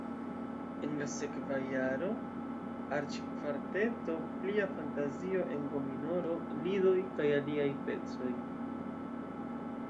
En la sekva jaro sekvis arĉkvarteto, plia fantazio en g-minoro, lidoj kaj aliaj pecoj.